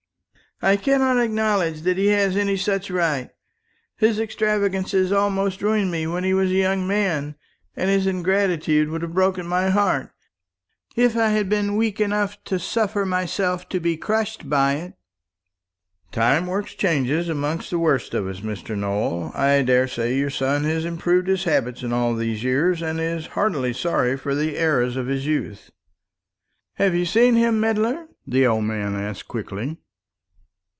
"I cannot acknowledge that he has any such right. His extravagance almost ruined me when he was a young man; and his ingratitude would have broken my heart, if I had been weak enough to suffer myself to be crushed by it." "Time works changes amongst the worst of us, Mr. Nowell, I daresay your son has improved his habits in all these years and is heartily sorry for the errors of his youth." "Have you seen him, Medler?" the old man asked quickly.